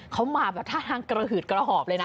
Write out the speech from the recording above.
เขามาแบบท่าทางกระหืดกระหอบเลยนะ